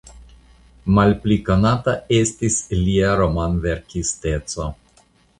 Malpli konata estis lia romanverkisteco.